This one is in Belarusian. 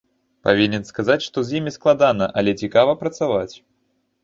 Павінен сказаць, што з імі складана, але цікава працаваць.